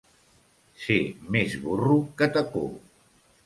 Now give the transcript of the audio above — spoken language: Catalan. Ser més burro que Tacó.